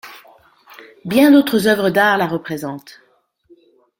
Bien d'autres œuvres d'art la représentent.